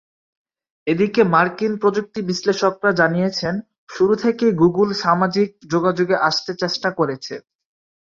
এদিকে মার্কিন প্রযুক্তিবিশ্লেষকেরা জানিয়েছেন, শুরু থেকেই গুগল সামাজিক যোগাযোগে আসতে চেষ্টা করেছে।